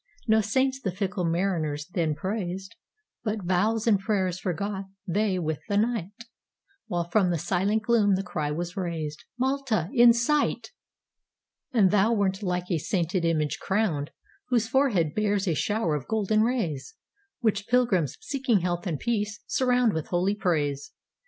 No saints the fickle mariners then praised, But vows and prayers forgot they with the night; While from the silent gloom the cry was raised,—"Malta in sight!"And thou wert like a sainted image crowned, Whose forehead bears a shower of golden rays, Which pilgrims, seeking health and peace, surroundWith holy praise.